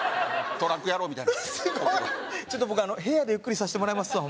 トラック野郎みたいになってるすごいちょっと僕部屋でゆっくりさせてもらいますわ